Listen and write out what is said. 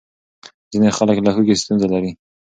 ځینې خلک له هوږې ستونزه لري.